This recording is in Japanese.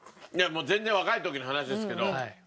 全然若い時の話ですけど。